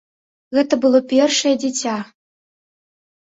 Гэта было першае дзіця.